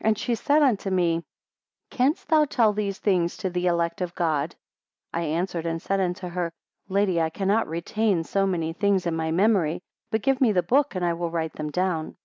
4 And she said unto me, Canst thou tell these things to the elect of God? I answered and said unto her, Lady, I cannot retain so many things in my memory, but give me the book, and I will write them down.